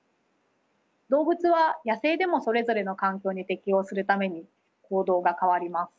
動物は野生でもそれぞれの環境に適応するために行動が変わります。